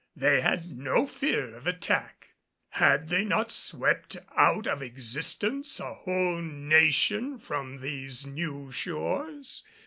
They had no fear of attack. Had they not swept out of existence a whole nation from these new shores?